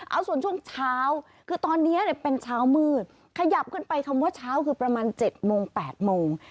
เอาส่วนช่วงเช้าคือตอนนี้เป็นเช้ามืดขยับขึ้นไปคำว่าเช้าคือประมาณ๗โมง๘โมง